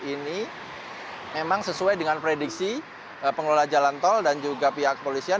ini memang sesuai dengan prediksi pengelola jalan tol dan juga pihak polisian